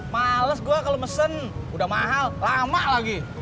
males gue kalau mesen udah mahal lama lagi